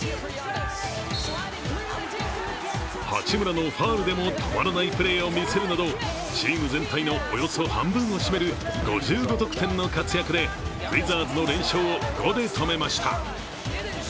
八村のファウルでも止まらないプレーを見せるなど、チーム全体のおよそ半分を占める５５得点の活躍でウィザーズの連勝を５で止めました